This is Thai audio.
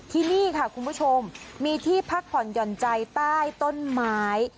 ที่นี่ค่ะคุณผู้ชมมีที่พักผ่อนหย่อนใจใต้ต้นไม้